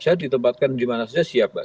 saya ditempatkan dimana saja siap mbak